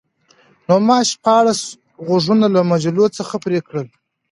نو ما شپاړس غوږونه له مجلو څخه پرې کړل